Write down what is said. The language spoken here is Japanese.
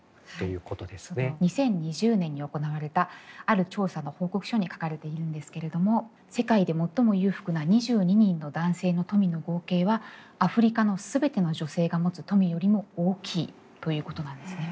２０２０年に行われたある調査の報告書に書かれているんですけれども世界で最も裕福な２２人の男性の富の合計はアフリカの全ての女性が持つ富よりも大きいということなんですね。